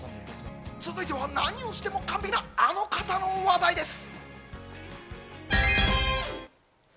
続いては何をしても完璧なあの方の話題です。